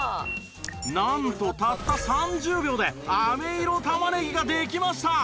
なんとたった３０秒で飴色玉ねぎができました！